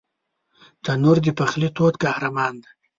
تنور د پخلي تود قهرمان دی